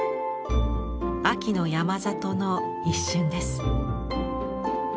秋の山里の一瞬です。